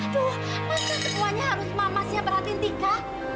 aduh masa semuanya harus mama sih yang perhatiin tika